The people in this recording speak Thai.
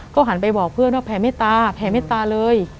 หันไปบอกเพื่อนว่าแผ่เมตตาแผ่เมตตาเลย